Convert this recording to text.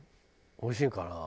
おいしいのかな。